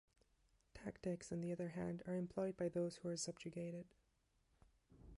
Tactics, on the other hand, are employed by those who are subjugated.